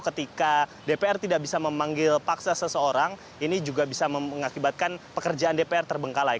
ketika dpr tidak bisa memanggil paksa seseorang ini juga bisa mengakibatkan pekerjaan dpr terbengkalai